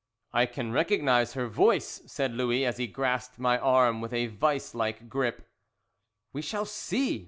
"I can recognize her voice," said Louis, as he grasped my arm with a vice like grip. "We shall see!